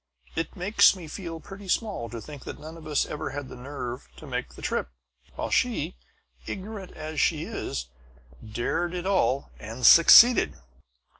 "It makes me feel pretty small, to think that none of us ever had the nerve to make the trip; while she, ignorant as she is, dared it all and succeeded!"